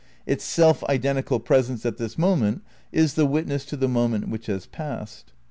Its self identical presence at this moment is the witness to the moment which has passed.